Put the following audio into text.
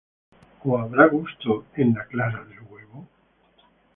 ¿O habrá gusto en la clara del huevo?